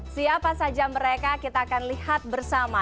siapa saja mereka kita akan lihat bersama